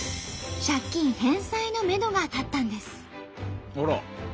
借金返済のめどが立ったんです。